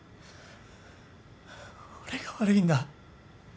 俺が悪いんだ。